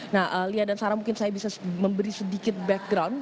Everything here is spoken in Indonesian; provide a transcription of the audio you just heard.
nah lia dan sarah mungkin saya bisa memberi sedikit background